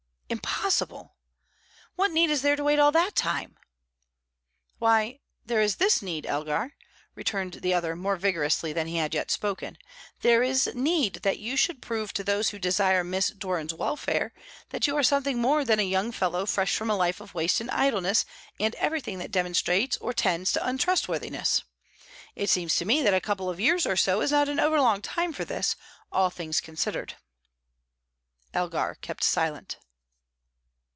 "Impossible! What need is there to wait all that time?" "Why, there is this need, Elgar," returned the other, more vigorously than he had yet spoken. "There is need that you should prove to those who desire Miss Doran's welfare that you are something more than a young fellow fresh from a life of waste and idleness and everything that demonstrates or tends to untrustworthiness. It seems to me that a couple of years or so is not an over long time for this, all things considered." Elgar kept silent.